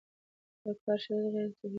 د کار شرایط غیر صحي وو